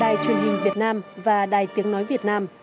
đài truyền hình việt nam và đài tiếng nói việt nam